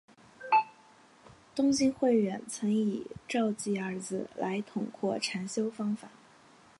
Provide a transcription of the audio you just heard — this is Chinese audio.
东晋慧远曾以照寂二字来统括禅修方法。